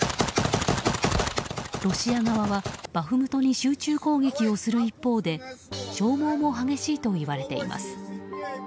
ロシア側はバフムトに集中攻撃をする一方で消耗も激しいといわれています。